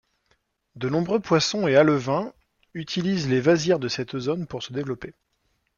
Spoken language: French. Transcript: De nombreux poissons et alevins utilisent les vasières de cette zone pour se développer.